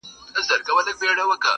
چي که مړ سوم زه به څرنګه یادېږم؟!.